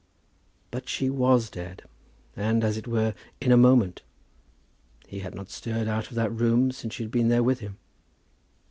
But she was dead; and, as it were, in a moment! He had not stirred out of that room since she had been there with him.